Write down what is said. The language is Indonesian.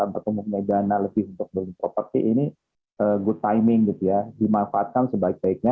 bertumbuhnya dana lebih untuk membeli properti ini good timing gitu ya dimanfaatkan sebaik baiknya